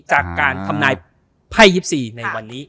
จากการทำนายไพ่๒๔ในวันนี้